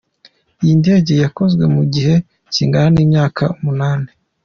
Iyi ndege yakozwe mu gihe kingana ni imyaka umunani.